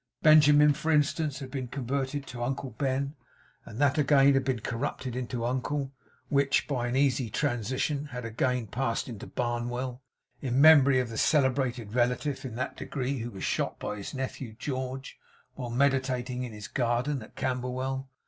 Benjamin, for instance, had been converted into Uncle Ben, and that again had been corrupted into Uncle; which, by an easy transition, had again passed into Barnwell, in memory of the celebrated relative in that degree who was shot by his nephew George, while meditating in his garden at Camberwell.